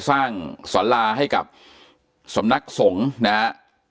สร้างสวัสดีราคมให้กับสมนักสงฆ์นะฮะ